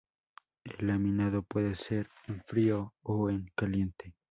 El laminado puede ser en frío o en caliente.